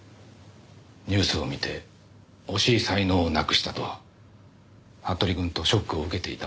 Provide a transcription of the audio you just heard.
ニュースを見て惜しい才能をなくしたと服部くんとショックを受けていたところです。